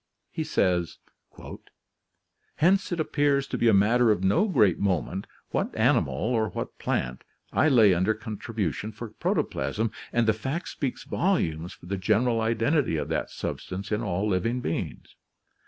He says: "Hence it appears to be a matter of no great moment what animal, or what plant, I lay under contribution for protoplasm, and the fact speaks volumes for the general identity of that sub stance in all living beings.